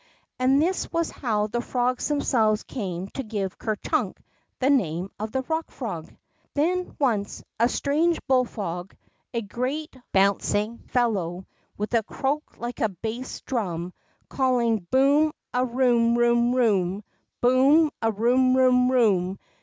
'' And this was how the frogs themselves came to give Ker Chunk the name of the Eock Frog." Then once, a strange bullfrog, a great, bounc ing fellow, with a croak like a bass drum, calling Boom a Eoom room room ! Boom a Eoom room room